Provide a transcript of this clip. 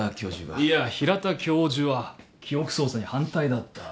いや平田教授は記憶操作に反対だった。